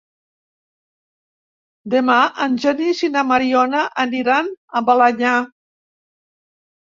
Demà en Genís i na Mariona aniran a Balenyà.